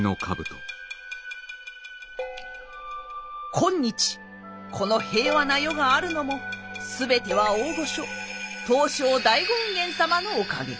今日この平和な世があるのも全ては大御所東照大権現様のおかげ。